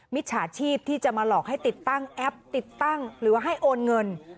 มิจฉาชีพที่จะมาหลอกให้ติดตั้งแอปติดตั้งหรือว่าให้โอนเงิน